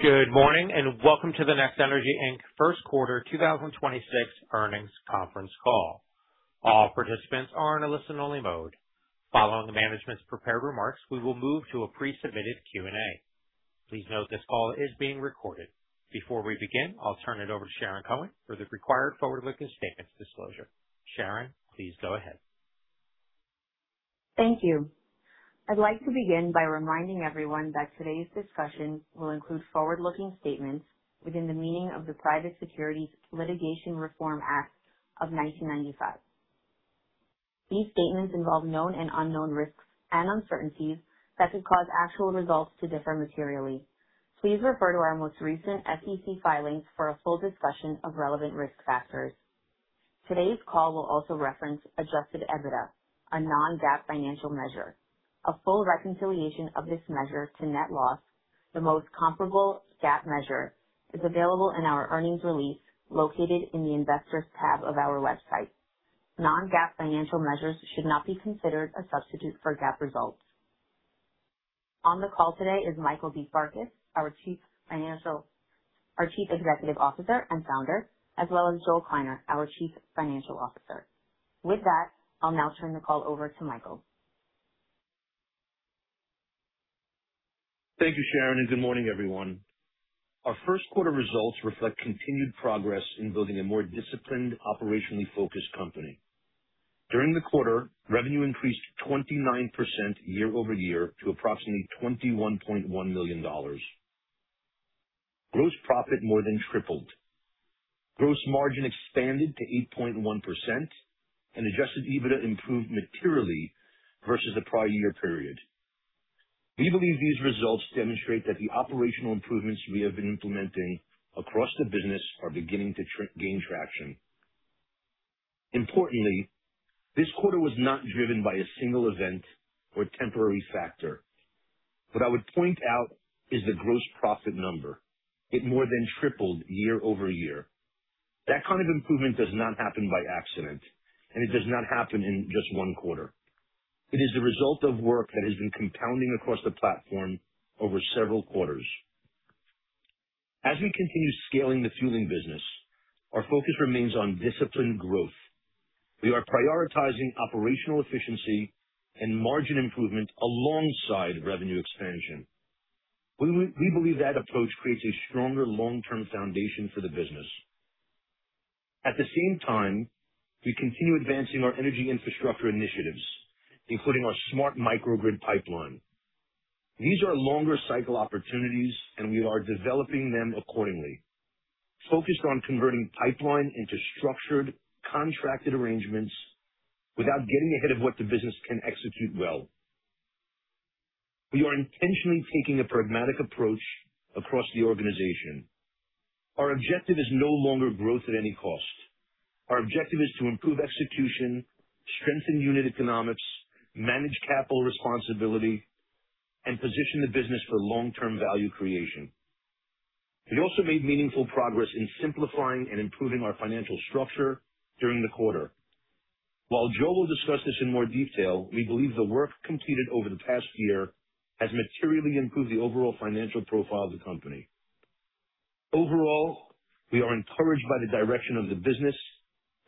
Good morning, and welcome to the NextNRG, Inc. first quarter 2026 earnings conference call. All participants are in a listen-only mode. Following the management's prepared remarks, we will move to a pre-submitted Q&A. Please note this call is being recorded. Before we begin, I'll turn it over to Sharon Cohen for the required forward-looking statements disclosure. Sharon, please go ahead. Thank you. I'd like to begin by reminding everyone that today's discussion will include forward-looking statements within the meaning of the Private Securities Litigation Reform Act of 1995. These statements involve known and unknown risks and uncertainties that could cause actual results to differ materially. Please refer to our most recent SEC filings for a full discussion of relevant risk factors. Today's call will also reference Adjusted EBITDA, a non-GAAP financial measure. A full reconciliation of this measure to net loss, the most comparable GAAP measure, is available in our earnings release located in the Investors tab of our website. Non-GAAP financial measures should not be considered a substitute for GAAP results. On the call today is Michael D. Farkas, our Chief Executive Officer and Founder, as well as Joel Kleiner, our Chief Financial Officer. With that, I'll now turn the call over to Michael. Thank you, Sharon, and good morning, everyone. Our first quarter results reflect continued progress in building a more disciplined, operationally focused company. During the quarter, revenue increased 29% year-over-year to approximately $21.1 million. Gross profit more than tripled. Gross margin expanded to 8.1%, and Adjusted EBITDA improved materially versus the prior year period. We believe these results demonstrate that the operational improvements we have been implementing across the business are beginning to gain traction. Importantly, this quarter was not driven by a single event or temporary factor. What I would point out is the gross profit number. It more than tripled year-over-year. That kind of improvement does not happen by accident, and it does not happen in just one quarter. It is the result of work that has been compounding across the platform over several quarters. As we continue scaling the fueling business, our focus remains on disciplined growth. We are prioritizing operational efficiency and margin improvement alongside revenue expansion. We believe that approach creates a stronger long-term foundation for the business. At the same time, we continue advancing our energy infrastructure initiatives, including our smart microgrid pipeline. These are longer cycle opportunities, and we are developing them accordingly, focused on converting pipeline into structured, contracted arrangements without getting ahead of what the business can execute well. We are intentionally taking a pragmatic approach across the organization. Our objective is no longer growth at any cost. Our objective is to improve execution, strengthen unit economics, manage capital responsibility, and position the business for long-term value creation. We also made meaningful progress in simplifying and improving our financial structure during the quarter. While Joel will discuss this in more detail, we believe the work completed over the past year has materially improved the overall financial profile of the company. We are encouraged by the direction of the business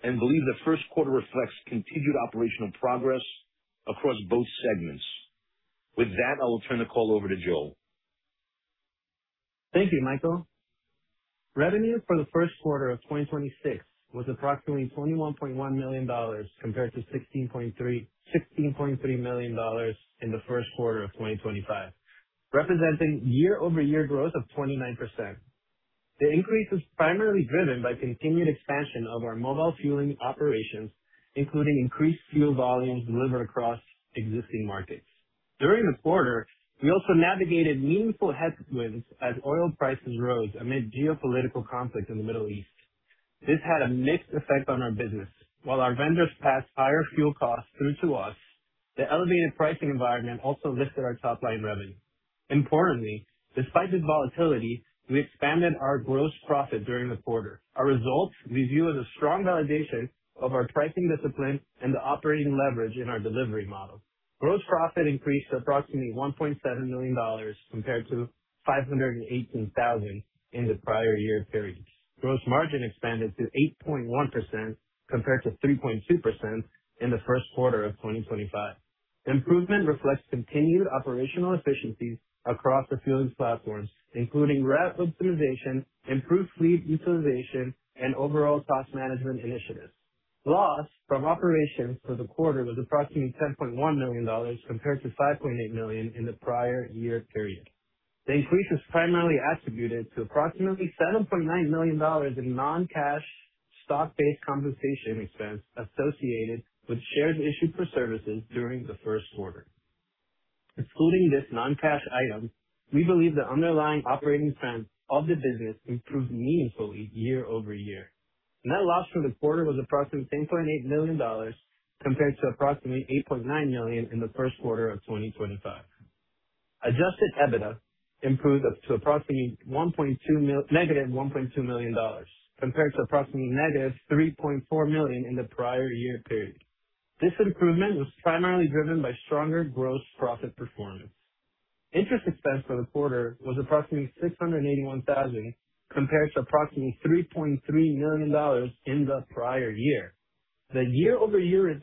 and believe the first quarter reflects continued operational progress across both segments. With that, I will turn the call over to Joel. Thank you, Michael D. Farkas. Revenue for the first quarter of 2026 was approximately $21.1 million compared to $16.3 million in the first quarter of 2025, representing year-over-year growth of 29%. The increase was primarily driven by continued expansion of our mobile fueling operations, including increased fuel volumes delivered across existing markets. During the quarter, we also navigated meaningful headwinds as oil prices rose amid geopolitical conflict in the Middle East. This had a mixed effect on our business. While our vendors passed higher fuel costs through to us, the elevated pricing environment also lifted our top-line revenue. Importantly, despite this volatility, we expanded our gross profit during the quarter. Our results we view as a strong validation of our pricing discipline and the operating leverage in our delivery model. Gross profit increased to approximately $1.7 million compared to $518,000 in the prior year period. Gross margin expanded to 8.1% compared to 3.2% in the first quarter of 2025. Improvement reflects continued operational efficiencies across the fueling platforms, including route optimization, improved fleet utilization, and overall cost management initiatives. Loss from operations for the quarter was approximately $10.1 million compared to $5.8 million in the prior year period. The increase was primarily attributed to approximately $7.9 million in non-cash stock-based compensation expense associated with shares issued for services during the first quarter. Excluding this non-cash item, we believe the underlying operating trends of the business improved meaningfully year-over-year. Net loss for the quarter was approximately $10.8 million compared to approximately $8.9 million in the first quarter of 2025. Adjusted EBITDA improved up to approximately negative $1.2 million compared to approximately negative $3.4 million in the prior year period. This improvement was primarily driven by stronger gross profit performance. Interest expense for the quarter was approximately $681,000 compared to approximately $3.3 million in the prior year. The year-over-year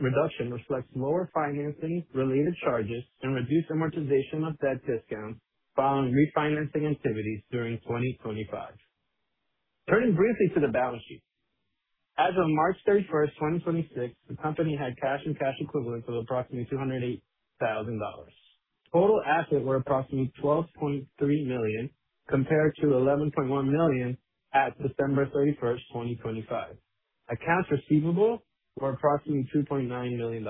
reduction reflects lower financing related charges and reduced amortization of debt discounts following refinancing activities during 2025. Turning briefly to the balance sheet. As of March 31st, 2026, the company had cash and cash equivalents of approximately $208,000. Total assets were approximately $12.3 million, compared to $11.1 million at December 31st, 2025. Accounts receivable were approximately $2.9 million.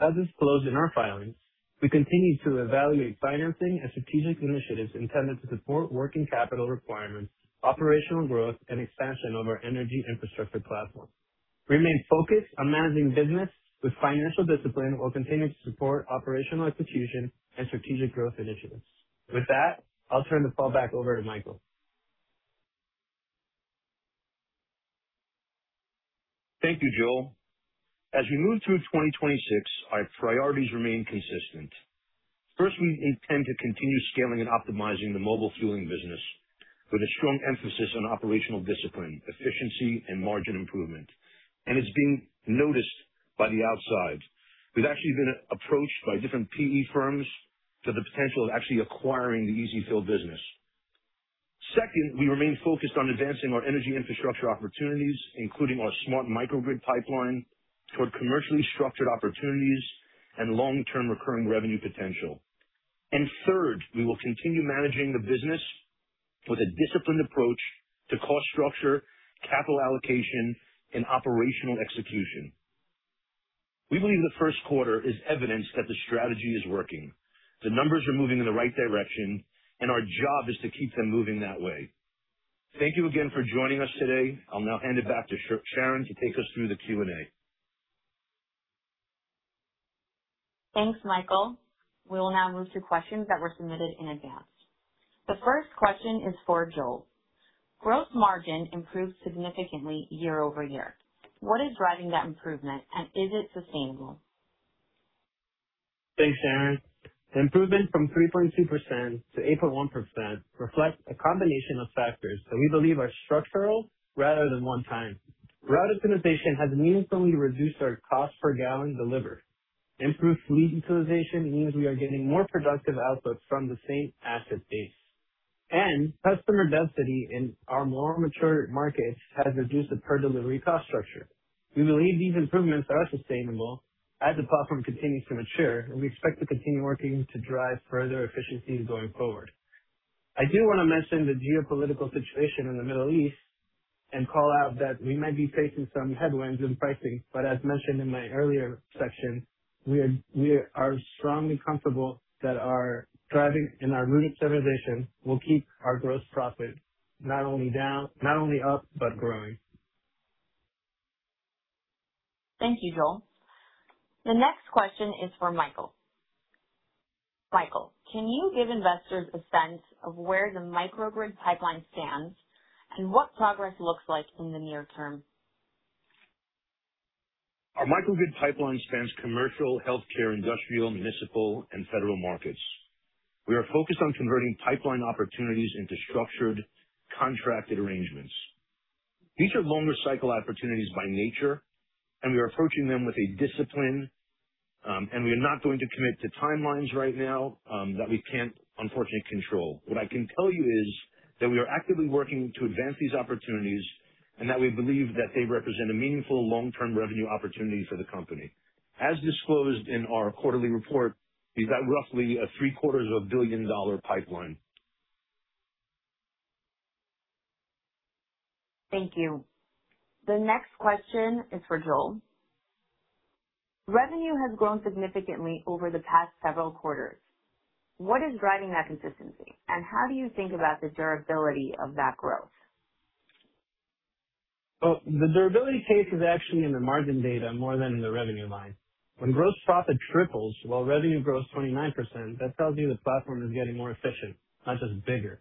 As disclosed in our filings, we continue to evaluate financing and strategic initiatives intended to support working capital requirements, operational growth, and expansion of our energy infrastructure platform. We remain focused on managing business with financial discipline while continuing to support operational execution and strategic growth initiatives. With that, I'll turn the call back over to Michael. Thank you, Joel. As we move through 2026, our priorities remain consistent. First, we intend to continue scaling and optimizing the mobile fueling business with a strong emphasis on operational discipline, efficiency, and margin improvement. It's being noticed by the outside. We've actually been approached by different PE firms for the potential of actually acquiring the EzFill business. Second, we remain focused on advancing our energy infrastructure opportunities, including our smart microgrid pipeline, toward commercially structured opportunities and long-term recurring revenue potential. Third, we will continue managing the business with a disciplined approach to cost structure, capital allocation, and operational execution. We believe the first quarter is evidence that the strategy is working. The numbers are moving in the right direction, and our job is to keep them moving that way. Thank you again for joining us today. I'll now hand it back to Sharon to take us through the Q&A. Thanks, Michael. We will now move to questions that were submitted in advance. The first question is for Joel. Gross margin improved significantly year-over-year. What is driving that improvement, and is it sustainable? Thanks, Sharon. The improvement from 3.2% to 8.1% reflects a combination of factors that we believe are structural rather than one time. Route optimization has meaningfully reduced our cost per gallon delivered. Improved fleet utilization means we are getting more productive output from the same asset base. Customer density in our more mature markets has reduced the per delivery cost structure. We believe these improvements are sustainable as the platform continues to mature, and we expect to continue working to drive further efficiencies going forward. I do wanna mention the geopolitical situation in the Middle East and call out that we might be facing some headwinds in pricing, but as mentioned in my earlier section, we are strongly comfortable that our driving and our route optimization will keep our gross profit not only down, not only up, but growing. Thank you, Joel. The next question is for Michael. Michael, can you give investors a sense of where the microgrid pipeline stands and what progress looks like in the near term? Our microgrid pipeline spans commercial, healthcare, industrial, municipal, and federal markets. We are focused on converting pipeline opportunities into structured contracted arrangements. These are longer cycle opportunities by nature. We are approaching them with a discipline. We are not going to commit to timelines right now that we can't unfortunately control. What I can tell you is that we are actively working to advance these opportunities and that we believe that they represent a meaningful long-term revenue opportunity for the company. As disclosed in our quarterly report, we've got roughly a three quarters of a billion-dollar pipeline. Thank you. The next question is for Joel. Revenue has grown significantly over the past several quarters. What is driving that consistency, and how do you think about the durability of that growth? Well, the durability case is actually in the margin data more than in the revenue line. When gross profit triples while revenue grows 29%, that tells you the platform is getting more efficient, not just bigger.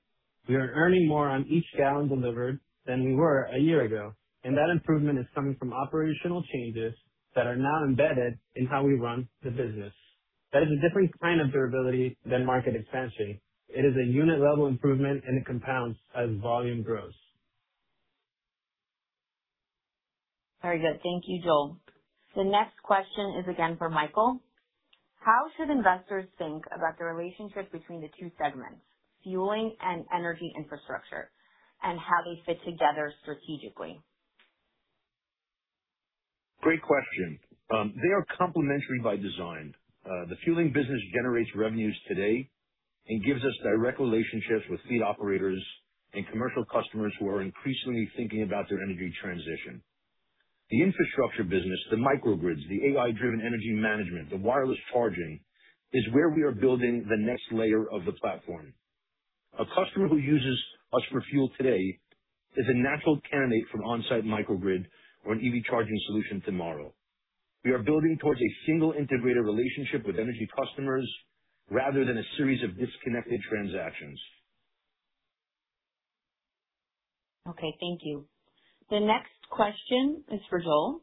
We are earning more on each gallon delivered than we were a year ago, and that improvement is coming from operational changes that are now embedded in how we run the business. That is a different kind of durability than market expansion. It is a unit-level improvement, and it compounds as volume grows. Very good. Thank you, Joel. The next question is again for Michael. How should investors think about the relationship between the two segments, fueling and energy infrastructure, and how they fit together strategically? Great question. They are complementary by design. The fueling business generates revenues today and gives us direct relationships with fleet operators and commercial customers who are increasingly thinking about their energy transition. The infrastructure business, the microgrids, the AI-driven energy management, the wireless charging, is where we are building the next layer of the platform. A customer who uses us for fuel today is a natural candidate for an on-site microgrid or an EV charging solution tomorrow. We are building towards a single integrated relationship with energy customers rather than a series of disconnected transactions. Okay, thank you. The next question is for Joel.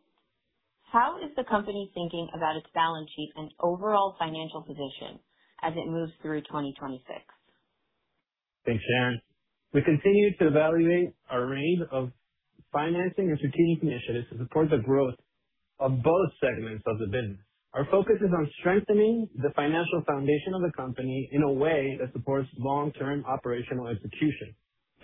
How is the company thinking about its balance sheet and overall financial position as it moves through 2026? Thanks, Sharon. We continue to evaluate our range of financing and strategic initiatives to support the growth of both segments of the business. Our focus is on strengthening the financial foundation of the company in a way that supports long-term operational execution.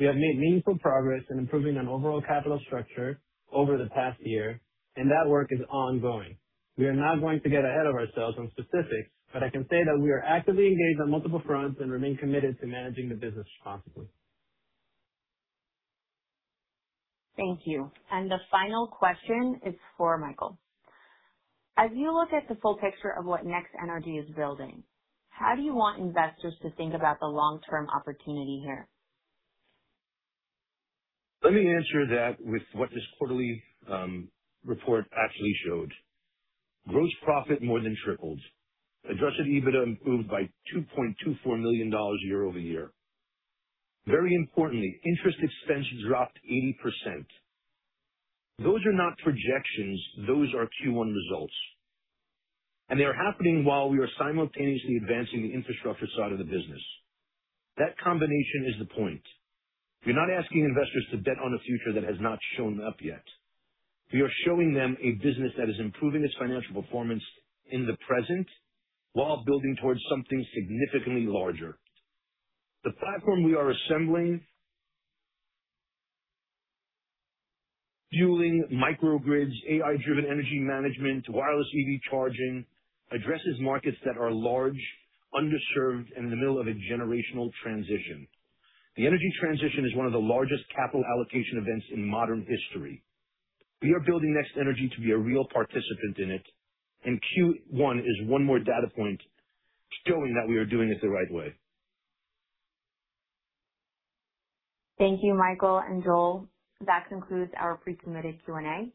We have made meaningful progress in improving an overall capital structure over the past year. That work is ongoing. We are not going to get ahead of ourselves on specifics. I can say that we are actively engaged on multiple fronts and remain committed to managing the business responsibly. Thank you. The final question is for Michael. As you look at the full picture of what NextNRG is building, how do you want investors to think about the long-term opportunity here? Let me answer that with what this quarterly report actually showed. Gross profit more than tripled. Adjusted EBITDA improved by $2.24 million year-over-year. Very importantly, interest expense dropped 80%. Those are not projections, those are Q1 results. They are happening while we are simultaneously advancing the infrastructure side of the business. That combination is the point. We're not asking investors to bet on a future that has not shown up yet. We are showing them a business that is improving its financial performance in the present while building towards something significantly larger. The platform we are assembling, fueling microgrids, AI-driven energy management, wireless EV charging, addresses markets that are large, underserved, and in the middle of a generational transition. The energy transition is one of the largest capital allocation events in modern history. We are building NextNRG to be a real participant in it, and Q1 is one more data point showing that we are doing it the right way. Thank you, Michael and Joel. That concludes our pre-submitted Q&A.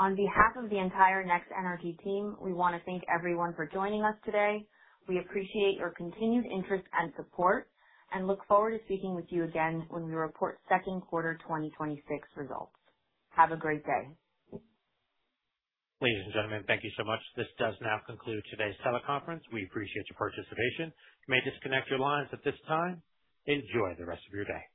On behalf of the entire NextNRG team, we wanna thank everyone for joining us today. We appreciate your continued interest and support, and look forward to speaking with you again when we report second quarter 2026 results. Have a great day. Ladies and gentlemen, thank you so much. This does now conclude today's teleconference. We appreciate your participation. You may disconnect your lines at this time. Enjoy the rest of your day.